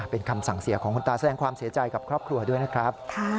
เป็นคำสั่งเสียของคุณตาแสดงความเสียใจกับครอบครัวด้วยนะครับ